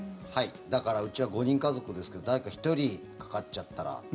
だからうちは５人家族ですけど誰か１人かかっちゃったら。